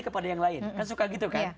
kepada yang lain kan suka gitu kan